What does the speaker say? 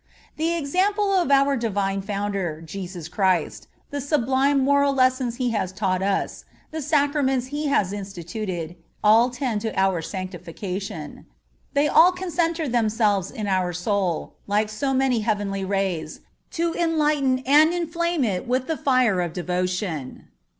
(30) The example of our Divine Founder, Jesus Christ, the sublime moral lessons He has taught us, the Sacraments He has instituted—all tend to our sanctification. They all concentre themselves in our soul, like so many heavenly rays, to enlighten and inflame it with the fire of devotion.